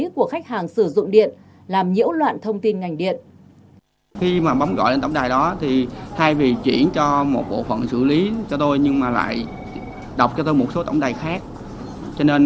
của khách hàng sử dụng điện làm nhiễu loạn thông tin ngành điện